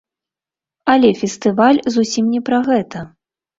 Але фестываль зусім не пра гэта.